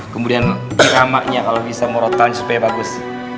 kemudian diramaknya kalau bisa murahkan supaya bagus